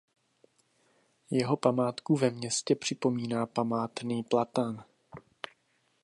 Jeho památku ve městě připomíná památný platan.